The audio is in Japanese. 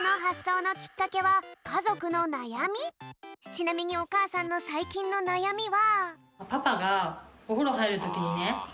ちなみにおかあさんのさいきんのなやみは。